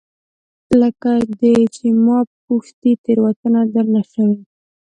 لکه دی چې ما پوښتي، تیروتنه درنه شوې؟